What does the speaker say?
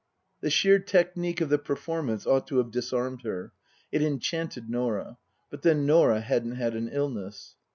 The sheer technique of the performance ought to have disarmed her. (It enchanted Norah. But then Norah hadn't had an illness.)